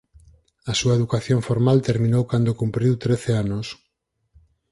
A súa educación formal terminou cando cumpriu trece anos.